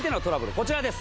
こちらです！